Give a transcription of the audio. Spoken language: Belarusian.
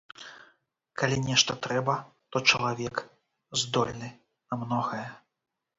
Калі нешта трэба, то чалавек здольны на многае.